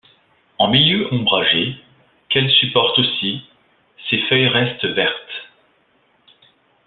En milieu ombragé, qu'elle supporte aussi, ses feuilles restent vertes.